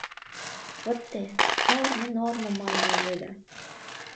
Вот те: нормо, нормо, манын ойледа...